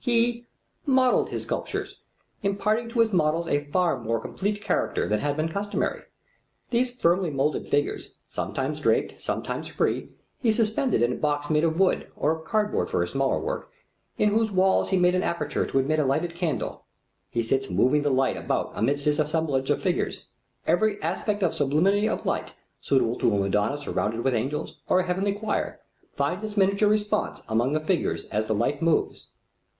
He ... modelled his sculptures ... imparting to his models a far more complete character than had been customary. These firmly moulded figures, sometimes draped, sometimes free, he suspended in a box made of wood, or of cardboard for his smaller work, in whose walls he made an aperture to admit a lighted candle.... He sits moving the light about amidst his assemblage of figures. Every aspect of sublimity of light suitable to a Madonna surrounded with angels, or a heavenly choir, finds its miniature response among the figures as the light moves.